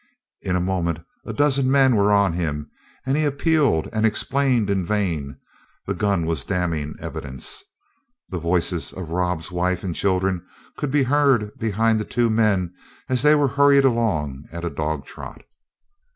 In a moment a dozen men were on him, and he appealed and explained in vain the gun was damning evidence. The voices of Rob's wife and children could be heard behind the two men as they were hurried along at a dog trot.